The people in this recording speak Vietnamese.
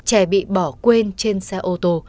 trẻ bị bỏ quên trên xe ô tô